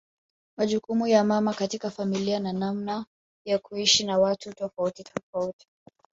Majukumu ya mama katika familia na namna ya kuishi na watu tofauti tofauti